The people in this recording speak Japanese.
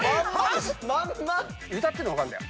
歌ってんの分かるんだよ。